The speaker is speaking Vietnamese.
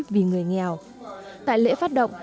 vì người nghèo tại lễ phát động